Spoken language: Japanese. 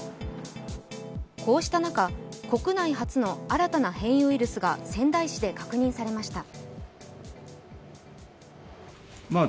こうした中、国内初の新たな変異ウイルスが仙台市で確認されました。